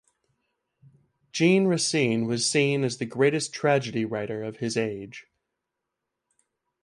Jean Racine was seen as the greatest tragedy writer of his age.